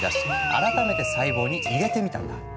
改めて細胞に入れてみたんだ。